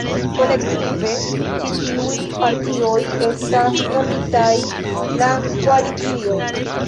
Kolektive, ĉi tiuj partioj estas nomitaj la Koalicio.